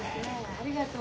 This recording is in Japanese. ありがとう。